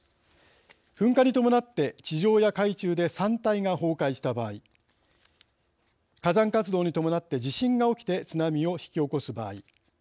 噴火に伴って地上や海中で山体が崩壊した場合火山活動に伴って地震が起きて津波を引き起こす場合。